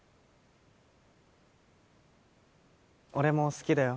俺も好きだよ。